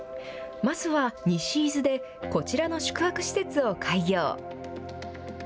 まずは西伊豆でこちらの宿泊施設を開業。